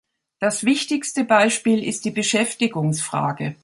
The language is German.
Das wichtigste Beispiel ist die Beschäftigungsfrage.